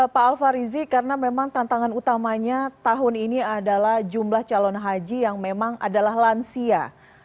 pak al farizi karena memang tantangan utamanya tahun ini adalah jumlah calon haji yang memang adalah lansia